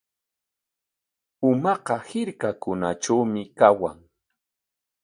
Pumaqa hirkakunatrawmi kawan.